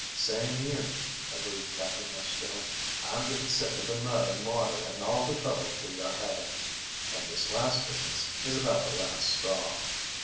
"Same here," agreed Captain Westfield. "I'm getting sick of the mud and water and all the troubles we are having, and this last business is about the last straw."